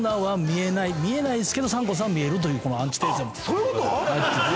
そういうこと！？